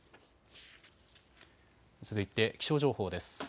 続いて気象情報です。